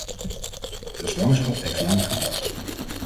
De zwangerschap heeft lang geduurd.